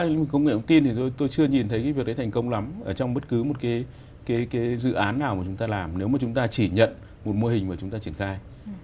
nếu người ông tin thì tôi chưa nhìn thấy cái việc đấy thành công lắm trong bất cứ một cái dự án nào mà chúng ta làm nếu mà chúng ta chỉ nhận một mô hình mà chúng ta triển khai